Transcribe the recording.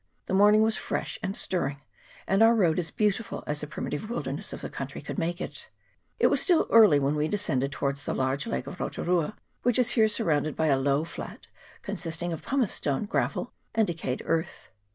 The morning was fresh and stirring, and our road as beautiful as the primitive wildness of the country could make it. It was still early when we descended towards the large lake of Rotu rua, which is here surrounded by a low flat, consisting of pumicestone, gravel, and decayed earth.